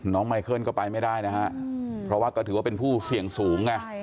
ไมเคิลก็ไปไม่ได้นะฮะเพราะว่าก็ถือว่าเป็นผู้เสี่ยงสูงไง